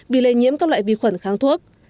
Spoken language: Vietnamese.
vì lây nhiễm các loại vi khuẩn kháng thuốc